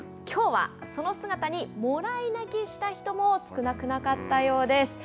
きょうはその姿にもらい泣きした人も少なくなかったようです。